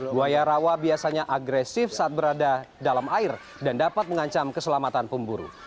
buaya rawa biasanya agresif saat berada dalam air dan dapat mengancam keselamatan pemburu